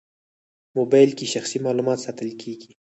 موبایل کې شخصي معلومات ساتل کېږي.